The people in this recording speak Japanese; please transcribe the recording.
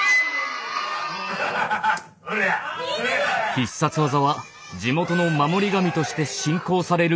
必殺技は地元の守り神として信仰される